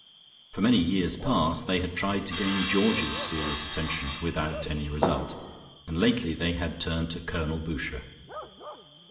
For many years past, they had tried to gain Georgie's serious attention, without any result, and lately they had turned to Colonel Boucher.